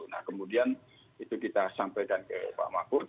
nah kemudian itu kita sampaikan ke pak mahfud